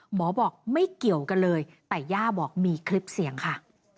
หมอบอกไม่เกี่ยวกันเลยแต่ย่าบอกมีคลิปเสียงค่ะ